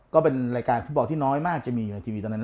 ก็เป็นรายการฟุตบอลที่น้อยมากจะมีอยู่ในทีวีตอนนั้น